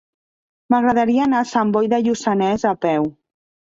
M'agradaria anar a Sant Boi de Lluçanès a peu.